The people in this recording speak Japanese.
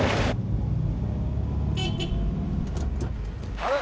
あれ？